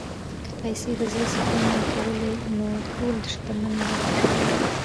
که پیسې د زړه سکون ورکولی، نو ټول شتمن به خوشاله وای.